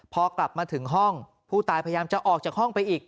พอกลับมาถึงห้องผู้ตายพยายามจะออกจากห้องไปอีก